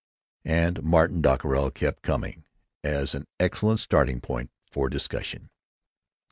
And Martin Dockerill kept coming, as an excellent starting point for dissension.